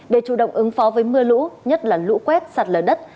để chủ động ứng phó với mưa lũ nhất là lũ quét sạt lở đất